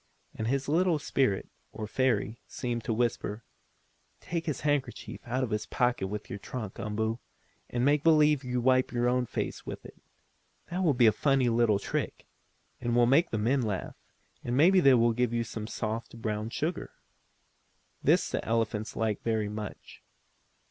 And this little spirit, or fairy, seemed to whisper: "Take his handkerchief out of his pocket with your trunk, Umboo, and make believe wipe your own face with it. That will be a funny little trick, and will make the men laugh, and maybe they will give you some soft, brown sugar." This the elephants like very much.